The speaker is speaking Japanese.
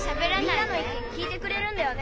みんなの意見聞いてくれるんだよね？